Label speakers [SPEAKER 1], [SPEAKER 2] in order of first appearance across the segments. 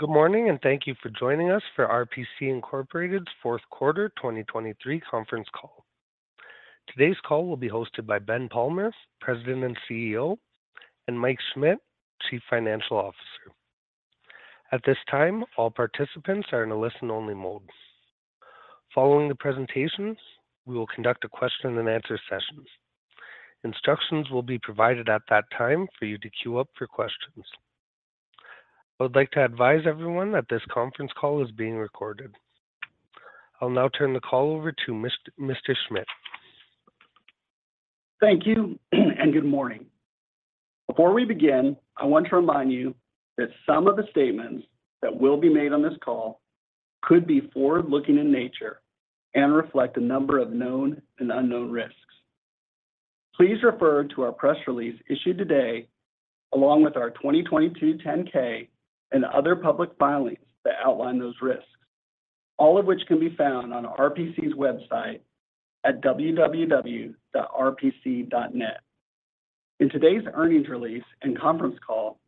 [SPEAKER 1] Good morning, and thank you for joining us for RPC, Inc.'s fourth quarter 2023 conference call. Today's call will be hosted by Ben Palmer, President and CEO, and Mike Schmidt, Chief Financial Officer. At this time, all participants are in a listen-only mode. Following the presentations, we will conduct a question-and-answer session. Instructions will be provided at that time for you to queue up for questions. I would like to advise everyone that this conference call is being recorded. I'll now turn the call over to Mr. Schmidt.
[SPEAKER 2] Thank you, and good morning. Before we begin, I want to remind you that some of the statements that will be made on this call could be forward-looking in nature and reflect a number of known and unknown risks. Please refer to our press release issued today, along with our 2022 10-K and other public filings that outline those risks, all of which can be found on RPC's website at www.rpc.net. In today's earnings release and conference call,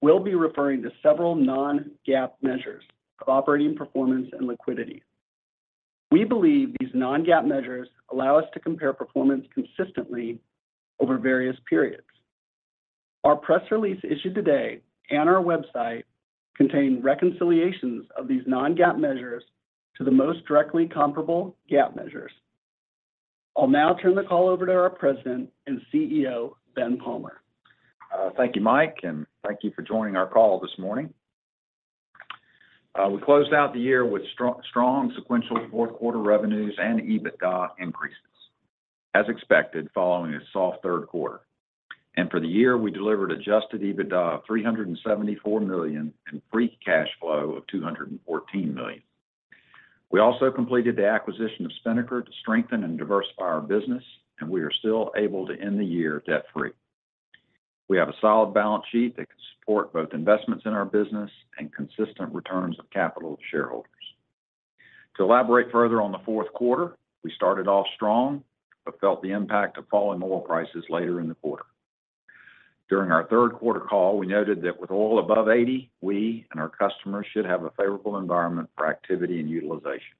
[SPEAKER 2] we'll be referring to several non-GAAP measures of operating performance and liquidity. We believe these non-GAAP measures allow us to compare performance consistently over various periods. Our press release issued today and our website contain reconciliations of these non-GAAP measures to the most directly comparable GAAP measures. I'll now turn the call over to our President and CEO, Ben Palmer.
[SPEAKER 3] Thank you, Mike, and thank you for joining our call this morning. We closed out the year with strong sequential fourth quarter revenues and EBITDA increases, as expected, following a soft third quarter. For the year, we delivered adjusted EBITDA of $374 million and free cash flow of $214 million. We also completed the acquisition of Spinnaker to strengthen and diversify our business, and we are still able to end the year debt-free. We have a solid balance sheet that can support both investments in our business and consistent returns of capital to shareholders. To elaborate further on the fourth quarter, we started off strong but felt the impact of falling oil prices later in the quarter. During our third quarter call, we noted that with oil above $80, we and our customers should have a favorable environment for activity and utilization.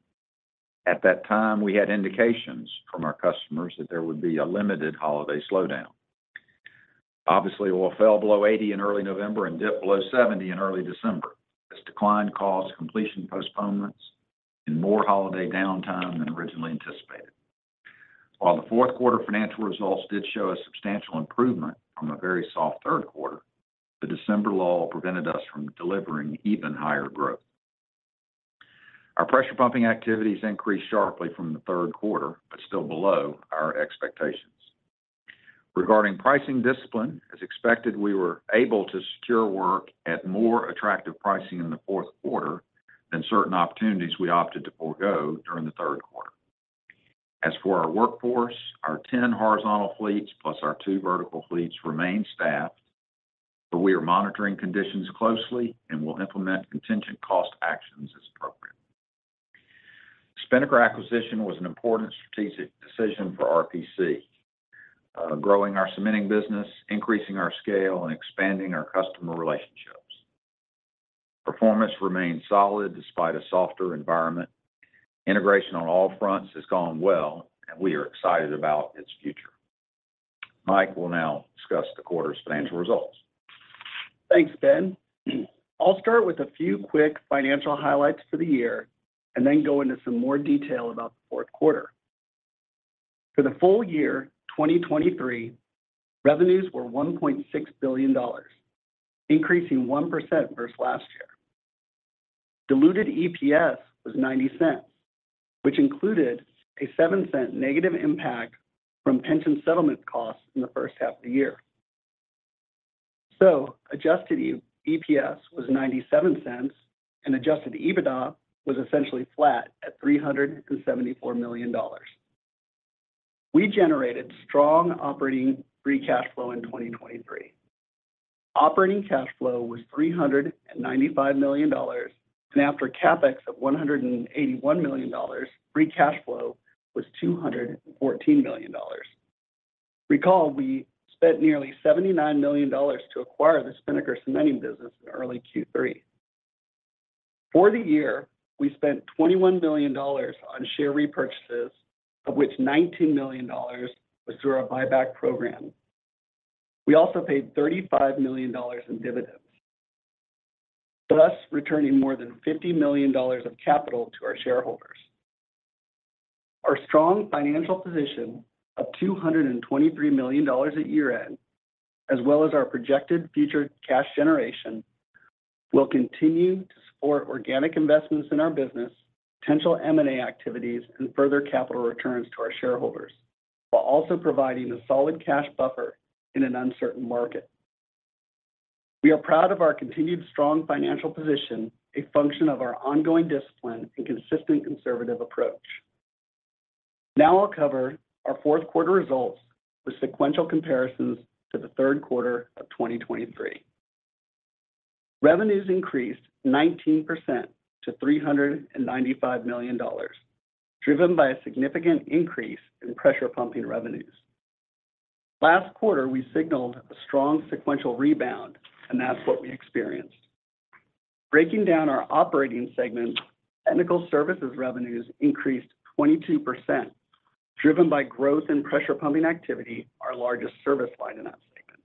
[SPEAKER 3] At that time, we had indications from our customers that there would be a limited holiday slowdown. Obviously, oil fell below $80 in early November and dipped below $70 in early December. This decline caused completion postponements and more holiday downtime than originally anticipated. While the fourth quarter financial results did show a substantial improvement from a very soft third quarter, the December lull prevented us from delivering even higher growth. Our pressure pumping activities increased sharply from the third quarter, but still below our expectations. Regarding pricing discipline, as expected, we were able to secure work at more attractive pricing in the fourth quarter than certain opportunities we opted to forgo during the third quarter. As for our workforce, our 10 horizontal fleets, plus our two vertical fleets, remain staffed, but we are monitoring conditions closely and will implement contingent cost actions as appropriate. Spinnaker acquisition was an important strategic decision for RPC, growing our cementing business, increasing our scale, and expanding our customer relationships. Performance remained solid despite a softer environment. Integration on all fronts has gone well, and we are excited about its future. Mike will now discuss the quarter's financial results.
[SPEAKER 2] Thanks, Ben. I'll start with a few quick financial highlights for the year and then go into some more detail about the fourth quarter. For the full year 2023, revenues were $1.6 billion, increasing 1% versus last year. Diluted EPS was $0.90, which included a $0.07 negative impact from pension settlement costs in the first half of the year. So adjusted EPS was $0.97, and adjusted EBITDA was essentially flat at $374 million. We generated strong operating free cash flow in 2023. Operating cash flow was $395 million, and after CapEx of $181 million, free cash flow was $214 million. Recall, we spent nearly $79 million to acquire the Spinnaker cementing business in early Q3. For the year, we spent $21 million on share repurchases, of which $19 million was through our buyback program. We also paid $35 million in dividends, thus returning more than $50 million of capital to our shareholders. Our strong financial position of $223 million at year-end, as well as our projected future cash generation, will continue to support organic investments in our business, potential M&A activities, and further capital returns to our shareholders, while also providing a solid cash buffer in an uncertain market. We are proud of our continued strong financial position, a function of our ongoing discipline and consistent conservative approach. Now I'll cover our fourth quarter results with sequential comparisons to the third quarter of 2023. Revenues increased 19% to $395 million, driven by a significant increase in pressure pumping revenues.... Last quarter, we signaled a strong sequential rebound, and that's what we experienced. Breaking down our operating segments, Technical Services revenues increased 22%, driven by growth in pressure pumping activity, our largest service line in that segment.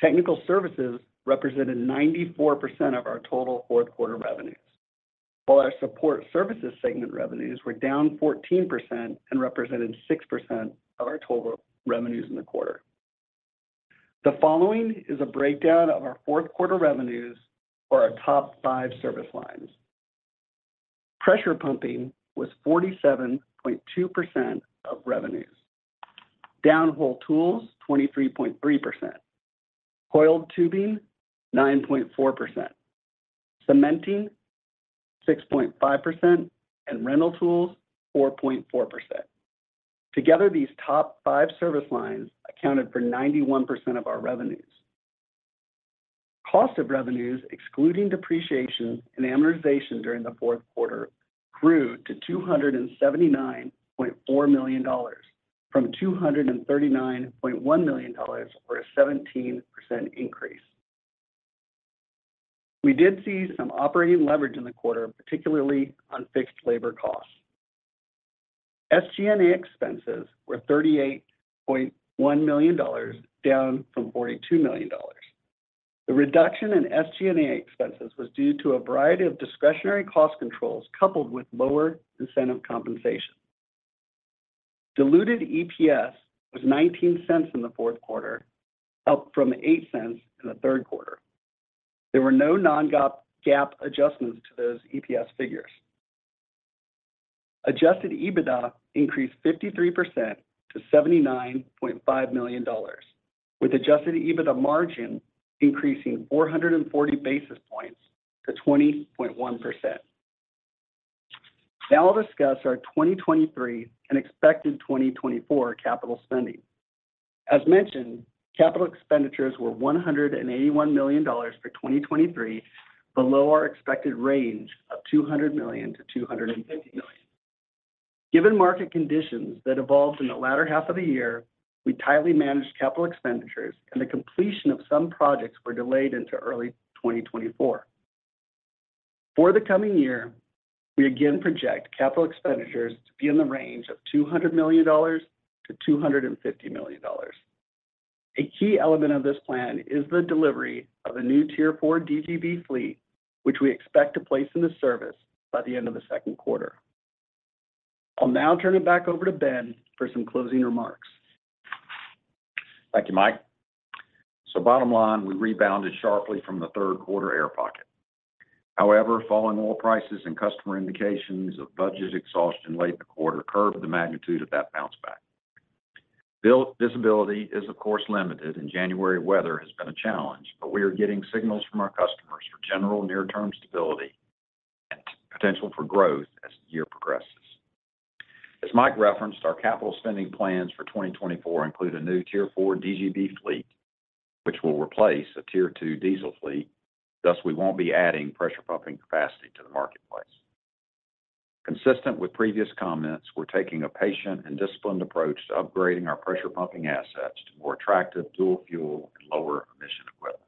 [SPEAKER 2] Technical Services represented 94% of our total fourth quarter revenues, while our Support Services segment revenues were down 14% and represented 6% of our total revenues in the quarter. The following is a breakdown of our fourth quarter revenues for our top five service lines. Pressure pumping was 47.2% of revenues. Downhole tools, 23.3%. Coiled tubing, 9.4%. Cementing, 6.5%, and rental tools, 4.4%. Together, these top five service lines accounted for 91% of our revenues. Cost of revenues, excluding depreciation and amortization during the fourth quarter, grew to $279.4 million, from $239.1 million, or a 17% increase. We did see some operating leverage in the quarter, particularly on fixed labor costs. SG&A expenses were $38.1 million, down from $42 million. The reduction in SG&A expenses was due to a variety of discretionary cost controls, coupled with lower incentive compensation. Diluted EPS was $0.19 in the fourth quarter, up from $0.08 in the third quarter. There were no non-GAAP, GAAP adjustments to those EPS figures. Adjusted EBITDA increased 53% to $79.5 million, with adjusted EBITDA margin increasing 440 basis points to 20.1%. Now I'll discuss our 2023 and expected 2024 capital spending. As mentioned, capital expenditures were $181 million for 2023, below our expected range of $200 million-$250 million. Given market conditions that evolved in the latter half of the year, we tightly managed capital expenditures, and the completion of some projects were delayed into early 2024. For the coming year, we again project capital expenditures to be in the range of $200 million-$250 million. A key element of this plan is the delivery of a new Tier 4 DGB fleet, which we expect to place into service by the end of the second quarter. I'll now turn it back over to Ben for some closing remarks.
[SPEAKER 3] Thank you, Mike. So bottom line, we rebounded sharply from the third quarter air pocket. However, falling oil prices and customer indications of budget exhaustion late in the quarter curbed the magnitude of that bounce back. Build visibility is of course, limited, and January weather has been a challenge, but we are getting signals from our customers for general near-term stability and potential for growth as the year progresses. As Mike referenced, our capital spending plans for 2024 include a new Tier 4 DGB fleet, which will replace a Tier 2 diesel fleet. Thus, we won't be adding pressure pumping capacity to the marketplace. Consistent with previous comments, we're taking a patient and disciplined approach to upgrading our pressure pumping assets to more attractive dual fuel and lower emission equipment.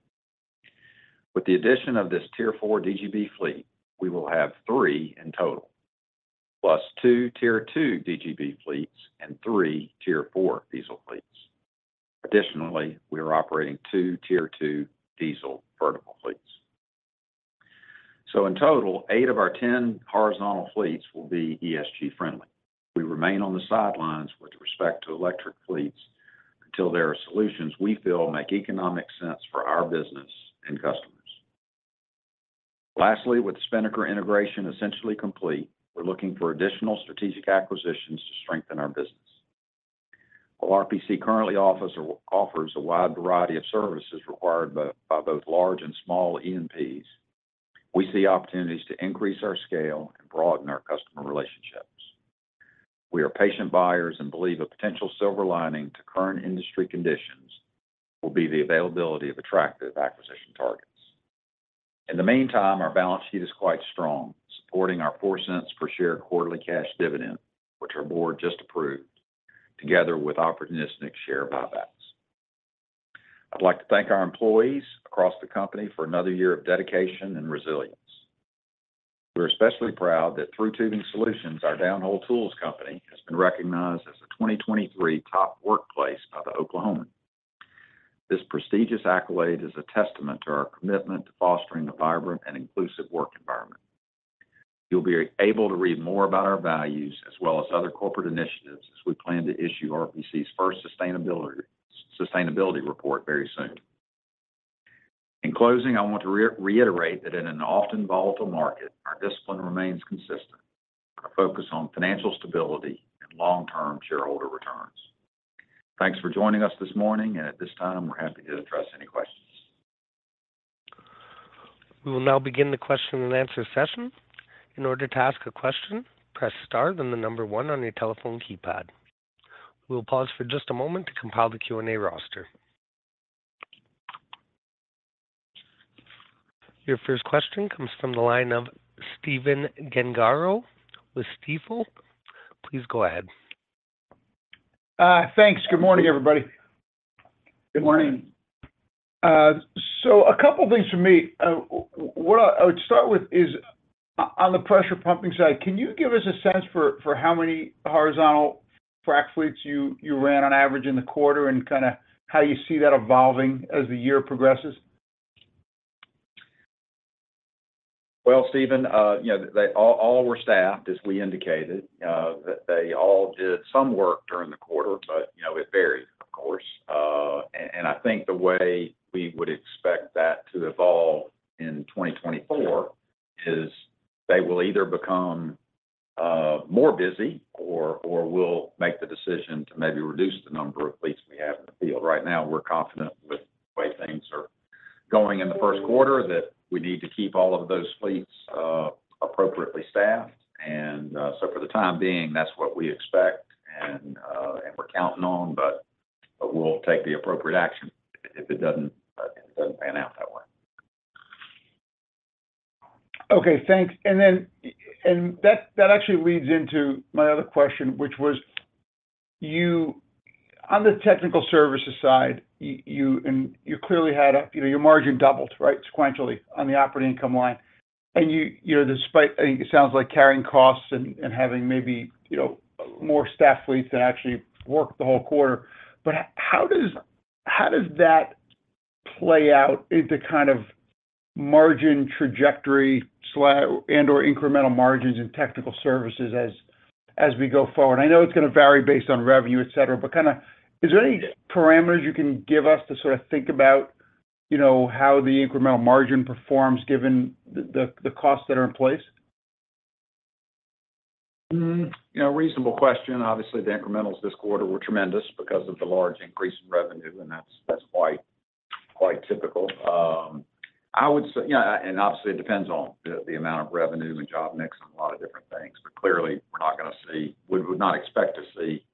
[SPEAKER 3] With the addition of this Tier 4 DGB fleet, we will have 3 in total, plus two Tier 2 DGB fleets and three Tier 4 diesel fleets. Additionally, we are operating two Tier 2 diesel vertical fleets. So in total, 8 of our 10 horizontal fleets will be ESG-friendly. We remain on the sidelines with respect to electric fleets until there are solutions we feel make economic sense for our business and customers. Lastly, with Spinnaker integration essentially complete, we're looking for additional strategic acquisitions to strengthen our business. While RPC currently offers a wide variety of services required by both large and small E&Ps, we see opportunities to increase our scale and broaden our customer relationships. We are patient buyers and believe a potential silver lining to current industry conditions will be the availability of attractive acquisition targets. In the meantime, our balance sheet is quite strong, supporting our $0.04 per share quarterly cash dividend, which our board just approved, together with opportunistic share buybacks. I'd like to thank our employees across the company for another year of dedication and resilience. We're especially proud that Thru Tubing Solutions, our downhole tools company, has been recognized as a 2023 Top Workplace by The Oklahoman. This prestigious accolade is a testament to our commitment to fostering a vibrant and inclusive work environment. You'll be able to read more about our values as well as other corporate initiatives, as we plan to issue RPC's first sustainability report very soon. In closing, I want to re-reiterate that in an often volatile market, our discipline remains consistent. Our focus on financial stability and long-term shareholder returns. Thanks for joining us this morning, and at this time, we're happy to address any questions.
[SPEAKER 1] We will now begin the question and answer session. In order to ask a question, press star, then the number one on your telephone keypad. We will pause for just a moment to compile the Q&A roster.... Your first question comes from the line of Stephen Gengaro with Stifel. Please go ahead.
[SPEAKER 4] Thanks. Good morning, everybody.
[SPEAKER 3] Good morning.
[SPEAKER 4] So a couple things for me. What I would start with is on the pressure pumping side, can you give us a sense for how many horizontal frack fleets you ran on average in the quarter, and kinda how you see that evolving as the year progresses?
[SPEAKER 3] Well, Stephen, you know, they all, all were staffed, as we indicated. They all did some work during the quarter, but, you know, it varies, of course. And, and I think the way we would expect that to evolve in 2024 is they will either become more busy, or, or we'll make the decision to maybe reduce the number of fleets we have in the field. Right now, we're confident with the way things are going in the first quarter, that we need to keep all of those fleets appropriately staffed. And, so for the time being, that's what we expect, and we're counting on, but, but we'll take the appropriate action if it doesn't, if it doesn't pan out that way.
[SPEAKER 4] Okay, thanks. And then, and that actually leads into my other question, which was: you, on the technical services side, you, and you clearly had a... You know, your margin doubled, right, sequentially on the operating income line. And you, you know, despite, I think, it sounds like carrying costs and, and having maybe, you know, more staffed fleets that actually worked the whole quarter. But how does, how does that play out into kind of margin trajectory and/or incremental margins in technical services as, as we go forward? I know it's gonna vary based on revenue, et cetera, et cetera, but kinda, is there any parameters you can give us to sort of think about, you know, how the incremental margin performs given the, the, the costs that are in place?
[SPEAKER 3] You know, reasonable question. Obviously, the incrementals this quarter were tremendous because of the large increase in revenue, and that's, that's quite, quite typical. I would say, yeah, and obviously, it depends on the amount of revenue, the job mix, and a lot of different things, but clearly, we're not gonna see—we would not expect to see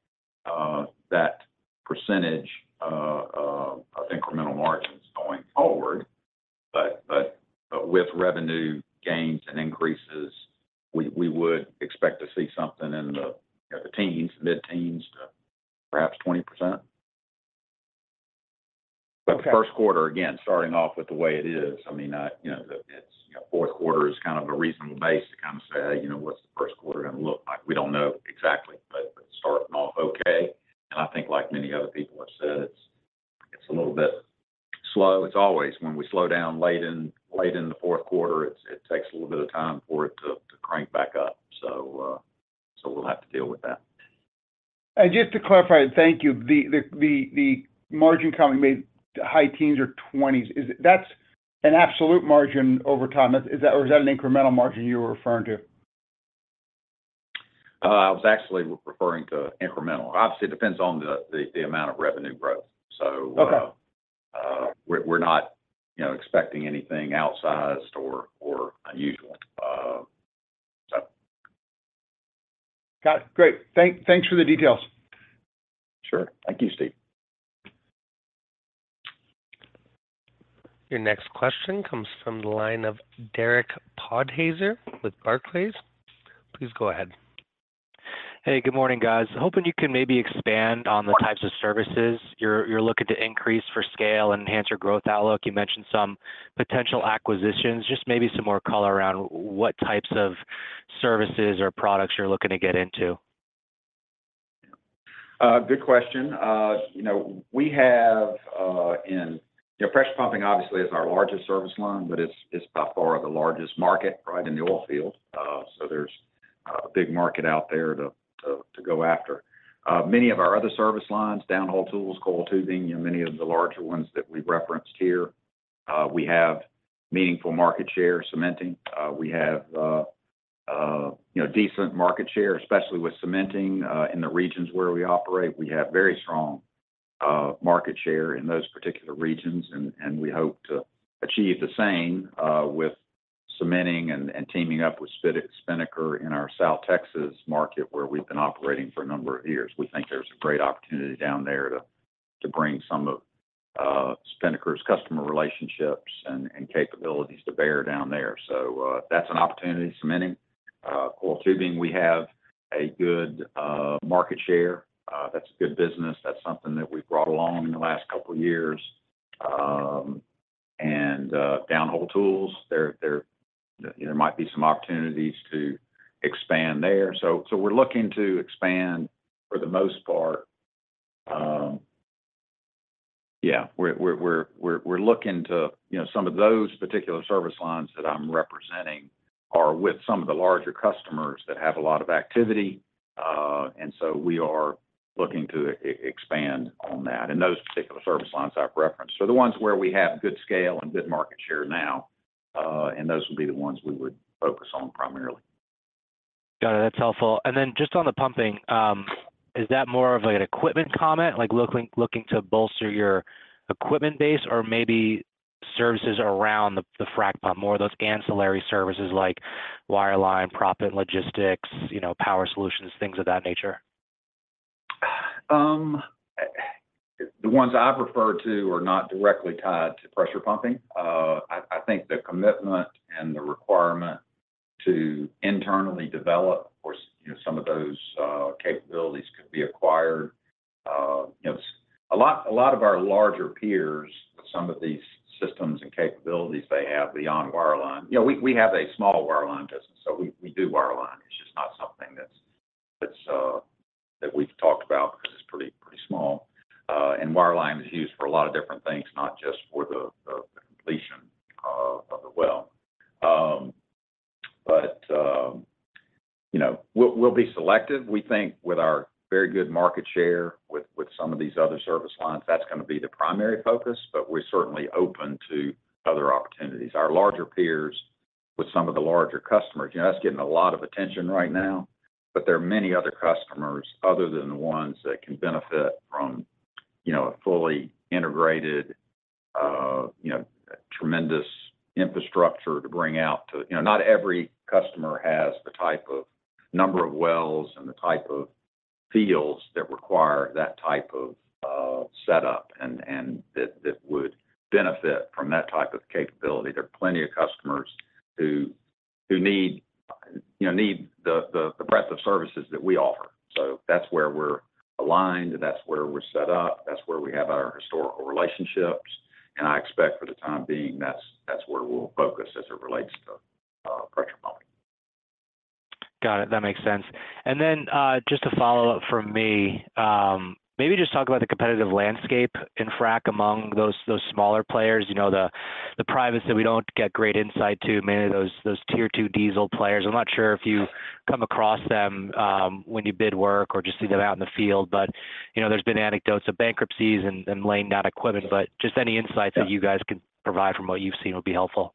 [SPEAKER 3] that percentage of incremental margins going forward. But, but, but with revenue gains and increases, we, we would expect to see something in the, you know, the teens, mid-teens to perhaps 20%.
[SPEAKER 4] Okay.
[SPEAKER 3] But the first quarter, again, starting off with the way it is, I mean, you know, it's, you know, fourth quarter is kind of a reasonable base to kind of say, "Hey, you know, what's the first quarter gonna look like?" We don't know exactly, but we're starting off okay. And I think like many other people have said, it's a little bit slow. It's always when we slow down late in the fourth quarter, it takes a little bit of time for it to crank back up. So, we'll have to deal with that.
[SPEAKER 4] Just to clarify, thank you. The margin comment made high teens or twenties, is it... That's an absolute margin over time, is that, or is that an incremental margin you were referring to?
[SPEAKER 3] I was actually referring to incremental. Obviously, it depends on the amount of revenue growth, so-
[SPEAKER 4] Okay...
[SPEAKER 3] we're not, you know, expecting anything outsized or unusual. So.
[SPEAKER 4] Got it. Great. Thanks for the details.
[SPEAKER 3] Sure. Thank you, Steve.
[SPEAKER 1] Your next question comes from the line of Derek Podhaizer with Barclays. Please go ahead.
[SPEAKER 5] Hey, good morning, guys. Hoping you can maybe expand on the types of services you're looking to increase for scale and enhance your growth outlook. You mentioned some potential acquisitions. Just maybe some more color around what types of services or products you're looking to get into.
[SPEAKER 3] Good question. You know, pressure pumping obviously is our largest service line, but it's by far the largest market, right, in the oil field. So there's a big market out there to go after. Many of our other service lines, downhole tools, coiled tubing, you know, many of the larger ones that we've referenced here, we have meaningful market share. Cementing, we have, you know, decent market share, especially with cementing, in the regions where we operate. We have very strong market share in those particular regions, and we hope to achieve the same with cementing and teaming up with Spinnaker in our South Texas market, where we've been operating for a number of years. We think there's a great opportunity down there to bring some of Spinnaker's customer relationships and capabilities to bear down there. So, that's an opportunity. Cementing, coiled tubing, we have a good market share. That's a good business. That's something that we've brought along in the last couple of years. And downhole tools, you know, there might be some opportunities to expand there. So we're looking to expand for the most part. Yeah, we're looking to, you know, some of those particular service lines that I'm representing are with some of the larger customers that have a lot of activity, and so we are looking to expand on that. Those particular service lines I've referenced are the ones where we have good scale and good market share now, and those would be the ones we would focus on primarily.
[SPEAKER 5] Got it. That's helpful. And then just on the pumping, is that more of, like, an equipment comment, like, looking to bolster your equipment base or maybe services around the frack pump, more of those ancillary services like wireline, proppant, logistics, you know, power solutions, things of that nature?...
[SPEAKER 3] The ones I refer to are not directly tied to pressure pumping. I think the commitment and the requirement to internally develop, of course, you know, some of those capabilities could be acquired. You know, a lot of our larger peers, some of these systems and capabilities they have beyond wireline. You know, we have a small wireline business, so we do wireline. It's just not something that's that we've talked about because it's pretty small. And wireline is used for a lot of different things, not just for the completion of the well. But you know, we'll be selective. We think with our very good market share with some of these other service lines, that's gonna be the primary focus, but we're certainly open to other opportunities. Our larger peers with some of the larger customers, you know, that's getting a lot of attention right now. But there are many other customers other than the ones that can benefit from, you know, a fully integrated, you know, tremendous infrastructure to bring out to... You know, not every customer has the type of number of wells and the type of fields that require that type of setup, and that would benefit from that type of capability. There are plenty of customers who need, you know, need the breadth of services that we offer. So that's where we're aligned, and that's where we're set up. That's where we have our historical relationships, and I expect for the time being, that's where we'll focus as it relates to pressure pumping.
[SPEAKER 5] Got it. That makes sense. And then, just a follow-up from me. Maybe just talk about the competitive landscape in frack among those, those smaller players. You know, the, the privates that we don't get great insight to, many of those, those Tier 2 diesel players. I'm not sure if you come across them, when you bid work or just see them out in the field. But, you know, there's been anecdotes of bankruptcies and, and laying down equipment, but just any insights-
[SPEAKER 3] Yeah...
[SPEAKER 5] that you guys can provide from what you've seen would be helpful.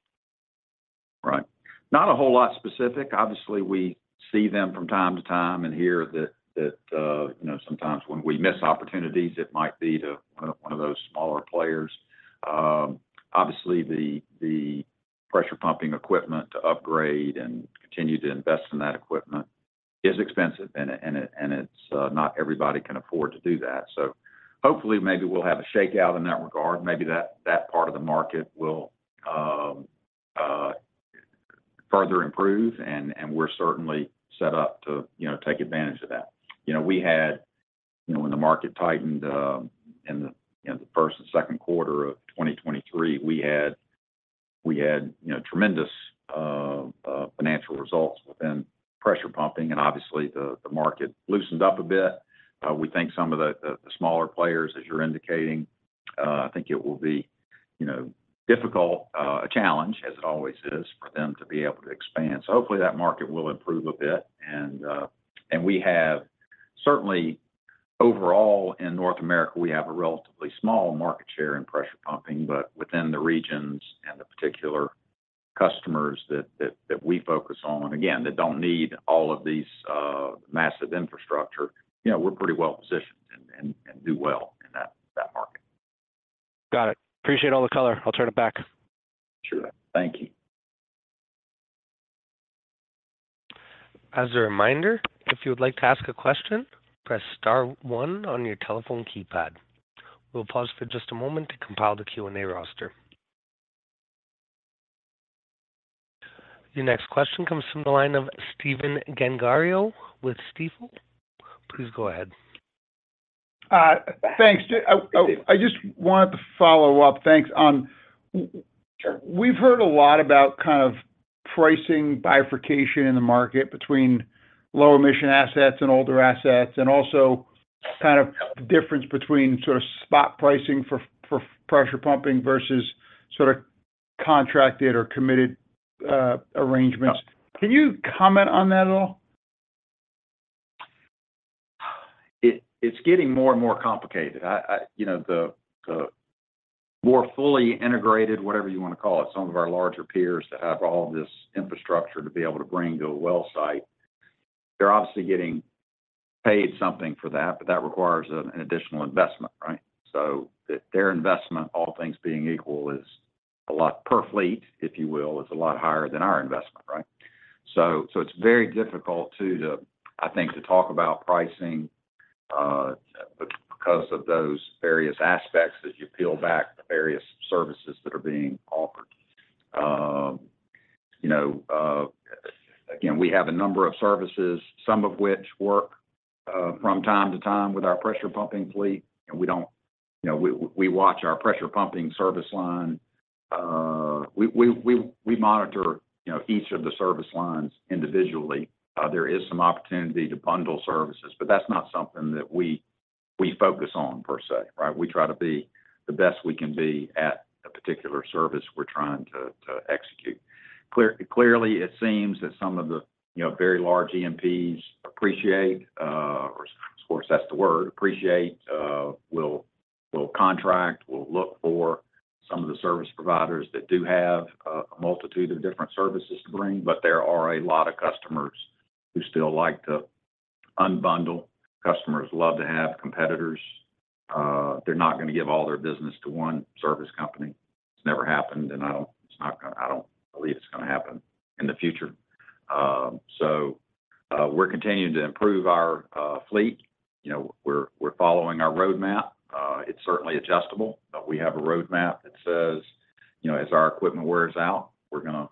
[SPEAKER 3] Right. Not a whole lot specific. Obviously, we see them from time to time and hear that, you know, sometimes when we miss opportunities, it might be to one of those smaller players. Obviously, the pressure pumping equipment to upgrade and continue to invest in that equipment is expensive, and it's not everybody can afford to do that. So hopefully maybe we'll have a shakeout in that regard. Maybe that part of the market will further improve, and we're certainly set up to, you know, take advantage of that. You know, we had. You know, when the market tightened in the first and second quarter of 2023, we had you know tremendous financial results within pressure pumping, and obviously, the market loosened up a bit. We think some of the smaller players, as you're indicating, I think it will be, you know, difficult, a challenge, as it always is, for them to be able to expand. So hopefully that market will improve a bit. We have certainly, overall, in North America, we have a relatively small market share in pressure pumping. But within the regions and the particular customers that we focus on, again, that don't need all of these massive infrastructure, you know, we're pretty well positioned and do well in that market.
[SPEAKER 5] Got it. Appreciate all the color. I'll turn it back.
[SPEAKER 3] Sure. Thank you.
[SPEAKER 1] As a reminder, if you would like to ask a question, press star one on your telephone keypad. We'll pause for just a moment to compile the Q&A roster. Your next question comes from the line of Stephen Gengaro with Stifel. Please go ahead.
[SPEAKER 4] Thanks. I just wanted to follow up. Thanks.
[SPEAKER 3] Sure.
[SPEAKER 4] We've heard a lot about kind of pricing bifurcation in the market between low-emission assets and older assets, and also kind of the difference between sort of spot pricing for pressure pumping versus sort of contracted or committed arrangements.
[SPEAKER 3] Yeah.
[SPEAKER 4] Can you comment on that at all?
[SPEAKER 3] It's getting more and more complicated. You know, the more fully integrated, whatever you wanna call it, some of our larger peers that have all this infrastructure to be able to bring to a well site, they're obviously getting paid something for that, but that requires an additional investment, right? So their investment, all things being equal, is a lot per fleet, if you will. It's a lot higher than our investment, right? So it's very difficult, too, to talk about pricing because of those various aspects, as you peel back the various services that are being offered. You know, again, we have a number of services, some of which work from time to time with our pressure pumping fleet, and we don't... You know, we watch our pressure pumping service line. We monitor, you know, each of the service lines individually. There is some opportunity to bundle services, but that's not something that we focus on per se, right? We try to be the best we can be at a particular service we're trying to execute. Clearly, it seems that some of the, you know, very large E&Ps appreciate, of course, that's the word, appreciate, will contract, will look for some of the service providers that do have a multitude of different services to bring. But there are a lot of customers who still like to unbundle. Customers love to have competitors. They're not gonna give all their business to one service company. It's never happened, and I don't believe it's gonna happen in the future. So, we're continuing to improve our fleet. You know, we're following our roadmap. It's certainly adjustable, but we have a roadmap that says, you know, as our equipment wears out, we're gonna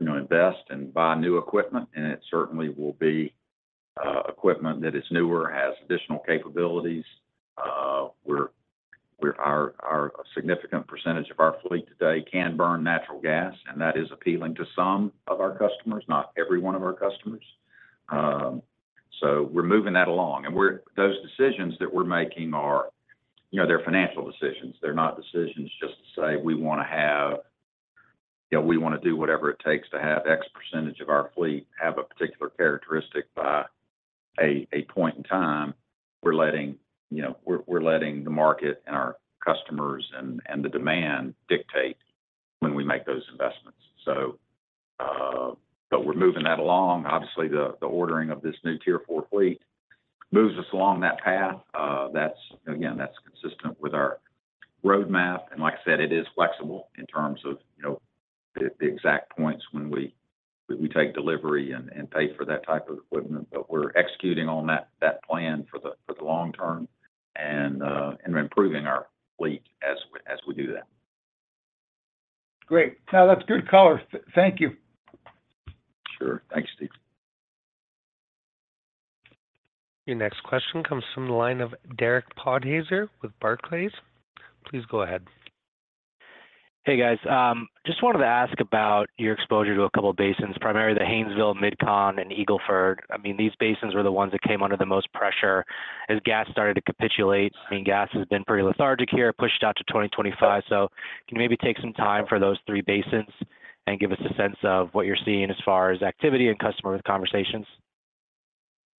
[SPEAKER 3] invest and buy new equipment, and it certainly will be equipment that is newer, has additional capabilities. A significant percentage of our fleet today can burn natural gas, and that is appealing to some of our customers, not every one of our customers. So we're moving that along, and those decisions that we're making are, you know, they're financial decisions. They're not decisions just to say, "We wanna have... You know, we wanna do whatever it takes to have X% of our fleet have a particular characteristic by a point in time. We're letting, you know, we're letting the market and our customers and the demand dictate when we make those investments. So, but we're moving that along. Obviously, the ordering of this new Tier 4 fleet moves us along that path. That's, again, consistent with our roadmap, and like I said, it is flexible in terms of, you know, the exact points when we take delivery and pay for that type of equipment. But we're executing on that plan for the long term, and we're improving our fleet as we do that.
[SPEAKER 4] Great. No, that's good color. Thank you.
[SPEAKER 3] Sure. Thanks, Steve.
[SPEAKER 1] Your next question comes from the line of Derek Podhaizer with Barclays. Please go ahead.
[SPEAKER 5] Hey, guys, just wanted to ask about your exposure to a couple of basins, primarily the Haynesville, MidCon, and Eagle Ford. I mean, these basins were the ones that came under the most pressure as gas started to capitulate. I mean, gas has been pretty lethargic here, pushed out to 2025. So can you maybe take some time for those three basins and give us a sense of what you're seeing as far as activity and customer conversations?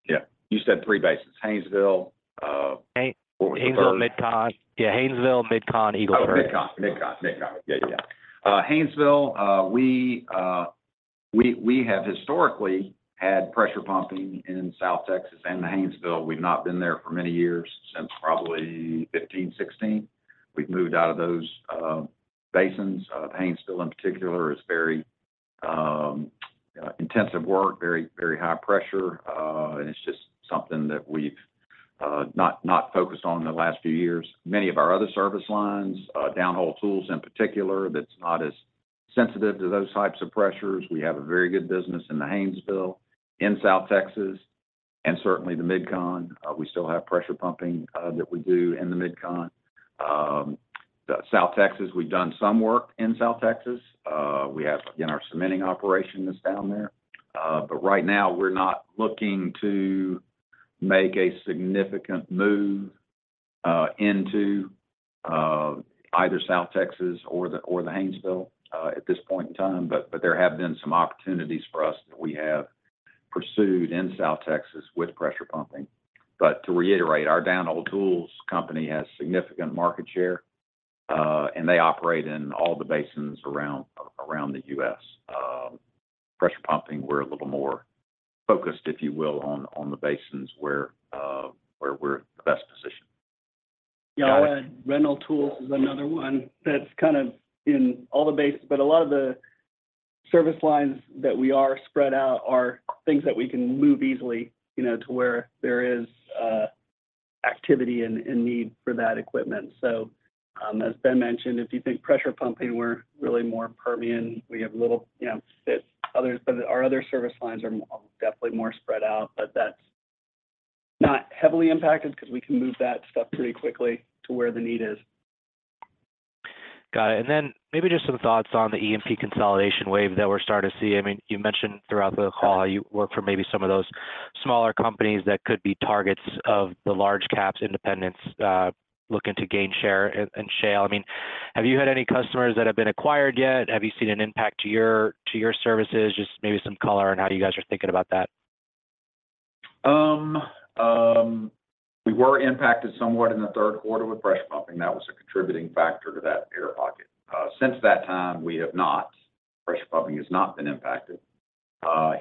[SPEAKER 3] Yeah. You said three basins, Haynesville, what was the third?
[SPEAKER 5] Haynesville, MidCon. Yeah, Haynesville, MidCon, Eagle Ford.
[SPEAKER 3] Oh, MidCon, MidCon, MidCon. Yeah, yeah. Haynesville, we have historically had pressure pumping in South Texas and the Haynesville. We've not been there for many years, since probably 15, 16. We've moved out of those basins. Haynesville, in particular, is very intensive work, very, very high pressure, and it's just something that we've not focused on in the last few years. Many of our other service lines, downhole tools in particular, that's not as sensitive to those types of pressures. We have a very good business in the Haynesville, in South Texas, and certainly the MidCon. We still have pressure pumping that we do in the MidCon. The South Texas, we've done some work in South Texas. We have, again, our cementing operation is down there, but right now we're not looking to make a significant move into either South Texas or the, or the Haynesville at this point in time. But there have been some opportunities for us that we have pursued in South Texas with pressure pumping. But to reiterate, our downhole tools company has significant market share, and they operate in all the basins around the U.S. Pressure pumping, we're a little more focused, if you will, on the basins where we're in the best position.
[SPEAKER 2] Yeah, rental tools is another one that's kind of in all the bases, but a lot of the service lines that we are spread out are things that we can move easily, you know, to where there is activity and need for that equipment. So, as Ben mentioned, if you think pressure pumping, we're really more Permian. We have little, you know, bits, others, but our other service lines are definitely more spread out. But that's not heavily impacted because we can move that stuff pretty quickly to where the need is.
[SPEAKER 5] Got it. And then maybe just some thoughts on the E&P consolidation wave that we're starting to see. I mean, you mentioned throughout the call how you work for maybe some of those smaller companies that could be targets of the large caps independents, looking to gain share in shale. I mean, have you had any customers that have been acquired yet? Have you seen an impact to your services? Just maybe some color on how you guys are thinking about that.
[SPEAKER 3] We were impacted somewhat in the third quarter with Pressure Pumping. That was a contributing factor to that air pocket. Since that time, we have not. Pressure Pumping has not been impacted.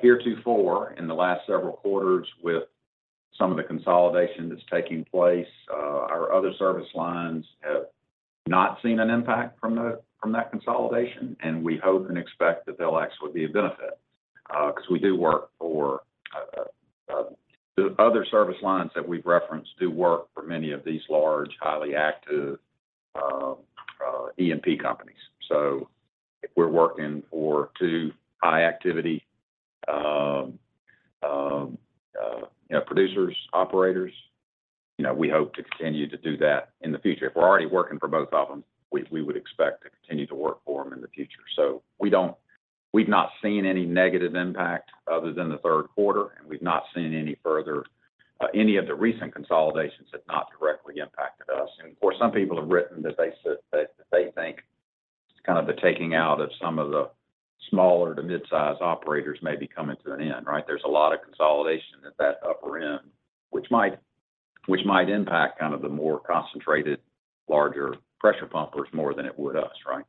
[SPEAKER 3] Heretofore, in the last several quarters with some of the consolidation that's taking place, our other service lines have not seen an impact from that consolidation, and we hope and expect that they'll actually be a benefit. Because we do work for. The other service lines that we've referenced do work for many of these large, highly active E&P companies. So if we're working for two high activity, you know, producers, operators, you know, we hope to continue to do that in the future. If we're already working for both of them, we, we would expect to continue to work for them in the future. So we don't, we've not seen any negative impact other than the third quarter, and we've not seen any further. Any of the recent consolidations have not directly impacted us. And of course, some people have written that they said that, that they think kind of the taking out of some of the smaller to midsize operators may be coming to an end, right? There's a lot of consolidation at that upper end, which might impact kind of the more concentrated, larger pressure pumpers more than it would us, right?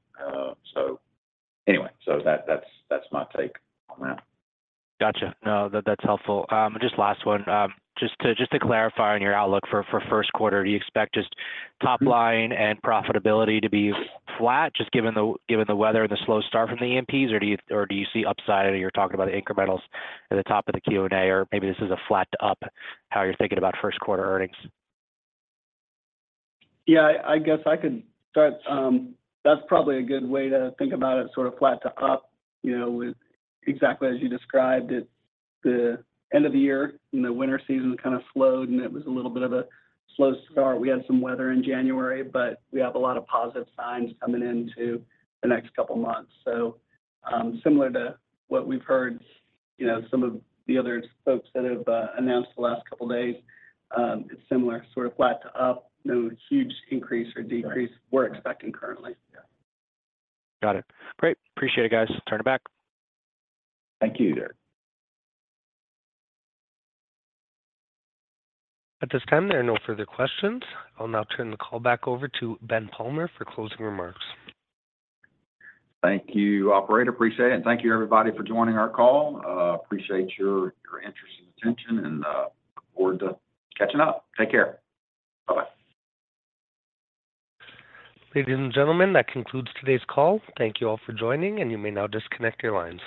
[SPEAKER 3] So anyway, so that's my take on that.
[SPEAKER 5] Gotcha. No, that's helpful. Just last one. Just to clarify on your outlook for first quarter, do you expect just top line and profitability to be flat, just given the weather and the slow start from the E&Ps? Or do you see upside, or you're talking about incrementals at the top of the Q&A, or maybe this is a flat to up, how you're thinking about first quarter earnings?
[SPEAKER 2] Yeah, I, I guess I could start. That's probably a good way to think about it, sort of flat to up, you know, with exactly as you described it. The end of the year, you know, winter season kind of slowed, and it was a little bit of a slow start. We had some weather in January, but we have a lot of positive signs coming into the next couple of months. So, similar to what we've heard, you know, some of the other folks that have announced the last couple of days, it's similar, sort of flat to up. No huge increase or decrease we're expecting currently.
[SPEAKER 3] Yeah.
[SPEAKER 5] Got it. Great. Appreciate it, guys. Turn it back.
[SPEAKER 3] Thank you, Derek.
[SPEAKER 1] At this time, there are no further questions. I'll now turn the call back over to Ben Palmer for closing remarks.
[SPEAKER 3] Thank you, operator. Appreciate it, and thank you, everybody, for joining our call. Appreciate your interest and attention, and look forward to catching up. Take care. Bye-bye.
[SPEAKER 1] Ladies and gentlemen, that concludes today's call. Thank you all for joining, and you may now disconnect your lines.